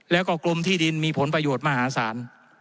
แล้วก็กรมที่ดินมีผลประโยชน์มหาศาล